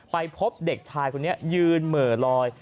พบเด็กชายคนนี้ยืนเหม่อลอย